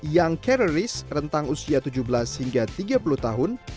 young carroris rentang usia tujuh belas hingga tiga puluh tahun